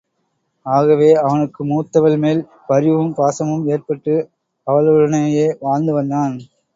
ஆகவே அவனுக்கு மூத்தவள் மேல் பரிவும் பாசமும் ஏற்பட்டு அவளுடனேயே வாழ்ந்து வந்தான்.